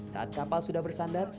saat kapal sudah bersandar